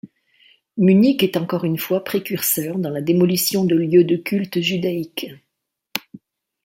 Munich est encore une fois précurseur dans la démolition de lieux de culte judaïques.